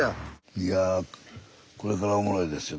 いやこれからおもろいですよ。